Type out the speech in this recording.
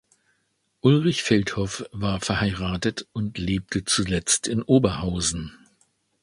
Ulrich Feldhoff war verheiratet und lebte zuletzt in Oberhausen.